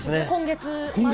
今月。